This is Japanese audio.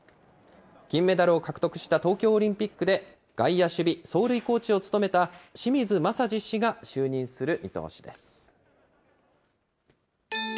金メダルを獲得した東京オリンピックで外野守備・走塁コーチを務めた清水雅治氏が就任する見通しです。